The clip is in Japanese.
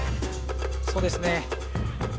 そうですね